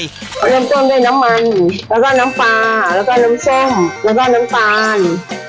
น้ำต้นใจน้ำมันแล้วก็น้ำปลาแล้วก็น้ำเซ่งแล้วก็น้ำตาล